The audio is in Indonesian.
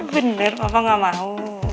bener papa gak mau